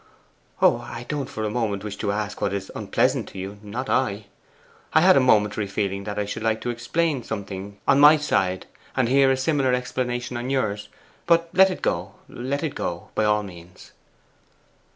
'Oh, I don't for a moment wish to ask what is unpleasant to you not I. I had a momentary feeling that I should like to explain something on my side, and hear a similar explanation on yours. But let it go, let it go, by all means.